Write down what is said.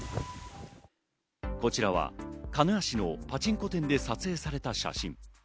こちらは鹿屋市のパチンコ店で撮影された写真。